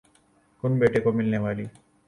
کن بیٹے کو ملنے والی